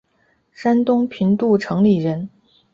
山东平度城里人。